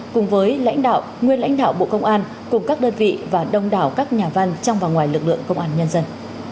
cùng với lãnh đạo nguyên lãnh đạo bộ công an cùng các đơn vị và đông đảo các nhà văn trong và ngoài lực lượng công an nhân dân